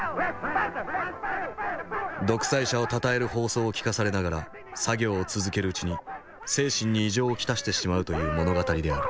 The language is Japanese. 独裁者をたたえる放送を聞かされながら作業を続けるうちに精神に異常を来してしまうという物語である。